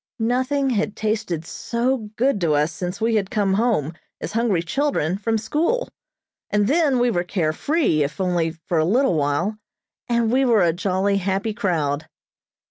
Nothing had tasted so good to us since we had come home, as hungry children, from school. As then, we were care free, if only for a little while, and we were a jolly, happy crowd.